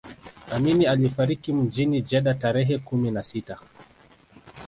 amini alifariki mjini jeddah tarehe kumi na sita